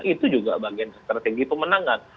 itu juga bagian strategi pemenangan